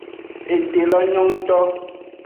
Ete lo nyo ngto.